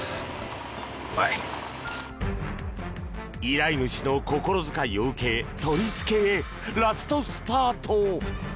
依頼主の心遣いを受け取り付けへラストスパート。